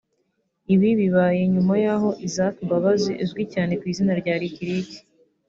Ibi bibaye nyuma y’aho Isaac Mbabazi uzwi cyane ku izina rya LickLick